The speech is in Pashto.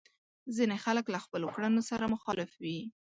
ځينې خلک له خپلو کړنو سره مخالف وي.